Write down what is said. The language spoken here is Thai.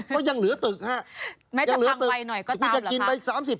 ก็ยังเหลือตึกครับเค้ยคุณจะกินไป๓๐๔๐